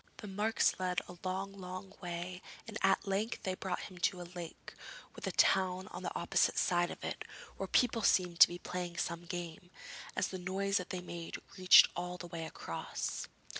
The marks led a long, long way, and at length they brought him to a lake, with a town on the opposite side of it, where people seemed to be playing some game, as the noise that they made reached all the way across.